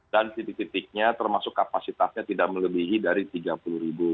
dan titik titiknya termasuk kapasitasnya tidak melebihi dari tiga puluh ribu